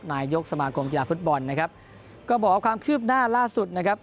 นายกสมาคมกีฬาฟุตบอลนะครับก็บอกว่าความคืบหน้าล่าสุดนะครับ